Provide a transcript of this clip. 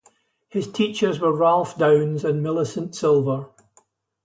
His teachers were Ralph Downes and Millicent Silver.